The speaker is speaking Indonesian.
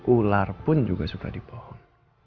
ular pun juga suka di pohon